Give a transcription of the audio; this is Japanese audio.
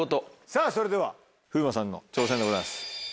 さぁそれでは風磨さんの挑戦でございます。